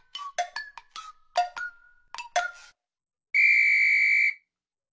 ピッ！